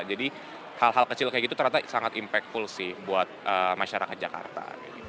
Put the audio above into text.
jadi hal hal kecil kayak gitu ternyata sangat impactful sih buat masyarakat jakarta